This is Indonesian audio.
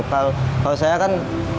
kalau saya kan